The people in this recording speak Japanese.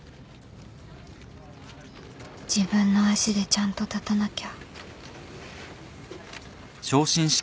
自分の足でちゃんと立たなきゃ